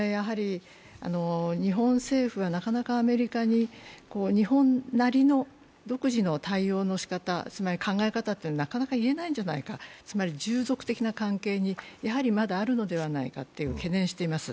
日本政府がなかなかアメリカに日本独自の対応のしかた、つまり考え方というのを言えないんじゃないか、従属的な関係にやはりまだあるのではないかと懸念しています。